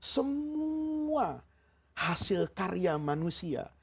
semua hasil karya manusia